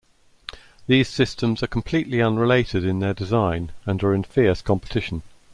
These systems are completely unrelated in their design and are in fierce competition.